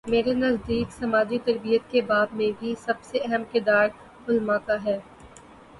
میرے نزدیک سماجی تربیت کے باب میں بھی سب سے اہم کردار علما کا ہے۔